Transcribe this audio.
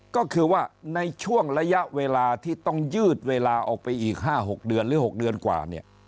ก็คือว่าในช่วงระยะเวลาที่ต้องยืดเวลาออกไปอีก๕๖เดือนหรือ๖เดือนกว่าเนี่ย